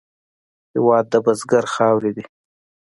هېواد د بزګر خاورې دي.